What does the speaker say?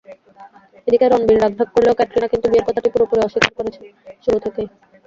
এদিকে রণবীর রাখঢাক করলেও ক্যাটরিনা কিন্তু বিয়ের কথাটি পুরোপুরি অস্বীকার করছেন শুরু থেকেই।